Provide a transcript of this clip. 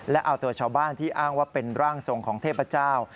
และเอาตัวชาวบ้านที่อ้างว่าเป็นร่างทรงของเทพเจ้า